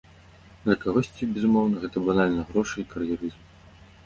Для кагосьці, безумоўна, гэта банальна грошы і кар'ерызм.